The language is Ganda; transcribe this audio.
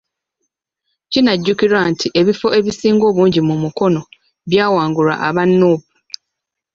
Kinajjukirwa nti ebifo ebisinga obungi mu Mukono byawangulwa aba Nuupu.